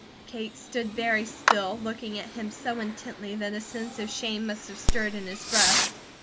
Kate stood very still, looking at him so intently that a sense of shame must have stirred in his breast.